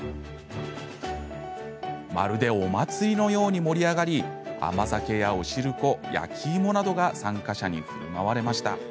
まるでお祭りのように盛り上がり甘酒やお汁粉、焼き芋などが参加者にふるまわれました。